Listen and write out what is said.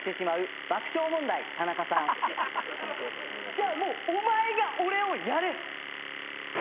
じゃあもうお前が俺をやれ！